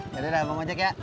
yaudah abang ajak ya